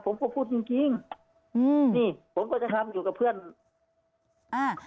ผมก็พูดจริงจริงอืมนี่ผมก็จะทำอยู่กับเพื่อนอ่า